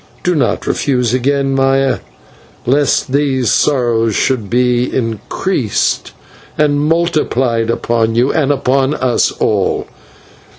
Do not refuse me again, Maya, lest these sorrows should be increased and multiplied upon you, and upon us all.